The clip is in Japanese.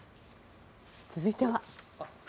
続いては。